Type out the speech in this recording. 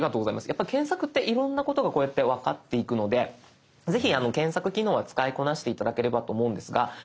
やっぱ検索っていろんなことがこうやって分かっていくのでぜひ検索機能は使いこなして頂ければと思うんですが。